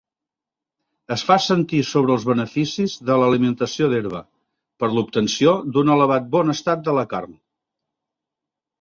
Es fa sentir sobre els beneficis de l'alimentació d'herba, per l'obtenció d'un elevat bon estat de la carn.